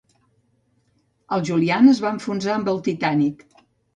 El Julian es va enfonsar amb el "Titanic".